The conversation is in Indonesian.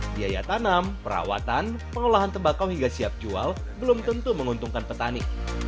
biaya tanam perawatan pengolahan tembakau hingga siap jual belum tentu menguntungkan petani